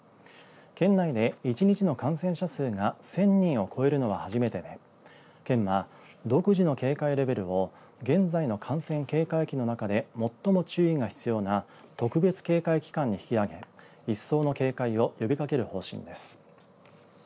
県内で１日の感染者数が１０００人を超えるのは初めてで県は、独自の警戒レベルを現在の感染警戒期の中で最も注意が必要な特別警戒期間に引き上げ一層の警戒を呼びかける方針です。